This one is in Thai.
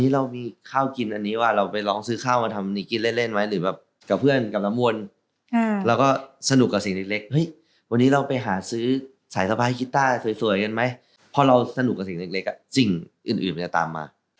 เล่นไหมหรือแบบกับเพื่อนกับน้ำมวลเราก็สนุกกับสิ่งเล็กเฮ้ยวันนี้เราไปหาซื้อสายสะพายคิตต้าสวยกันไหมเพราะเราสนุกกับสิ่งเล็กจริงอื่นมันจะตามมา